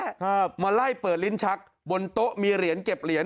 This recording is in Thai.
ครับมาไล่เปิดลิ้นชักบนโต๊ะมีเหรียญเก็บเหรียญ